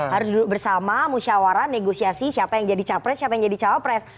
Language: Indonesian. harus duduk bersama musyawarah negosiasi siapa yang jadi capres siapa yang jadi cawapres